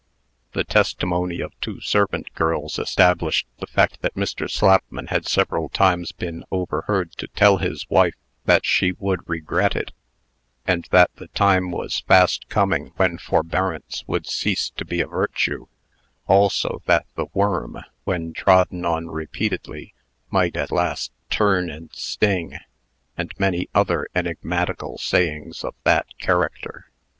The testimony of two servant girls established the fact that Mr. Slapman had several times been overheard to tell his wife that she would regret it; and that the time was fast coming when forbearance would cease to be a virtue; also that the worm, when trodden on repeatedly, might at last turn and sting, and many other enigmatical sayings of that character.